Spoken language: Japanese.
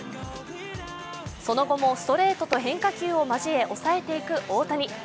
その後も、ストレートと変化球を交え抑えていく大谷。